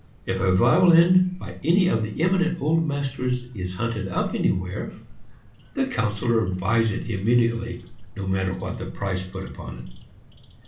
If a violin by any of the eminent old masters is hunted up anywhere, the Councillor buys it immediately, no matter what the price put upon it.